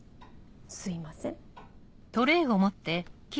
すいません。